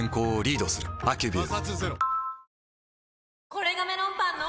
これがメロンパンの！